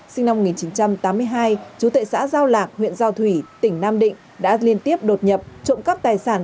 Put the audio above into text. sinh năm một nghìn chín trăm tám mươi hai chú tệ xã giao lạc huyện giao thủy tỉnh nam định đã liên tiếp đột nhập trộm cắp tài sản